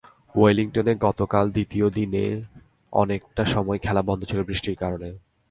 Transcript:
ওয়েলিংটনে গতকাল দ্বিতীয় দিনের অনেকটা সময় খেলা বন্ধ ছিল বৃষ্টির কারণে।